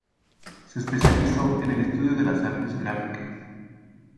Se especializó en el estudio de las artes gráficas.